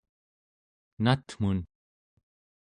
natmun?